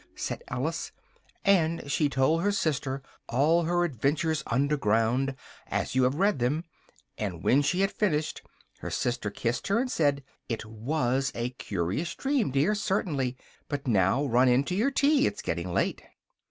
said Alice, and she told her sister all her Adventures Under Ground, as you have read them, and when she had finished, her sister kissed her and said "it was a curious dream, dear, certainly! But now run in to your tea: it's getting late."